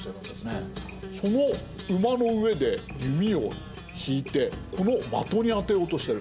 その馬の上で弓を引いてこの的に当てようとしてる。